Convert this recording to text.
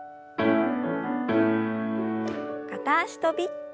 片脚跳び。